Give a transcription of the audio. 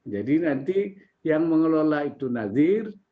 jadi nanti yang mengelola itu nazir